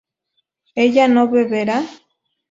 ¿ella no beberá?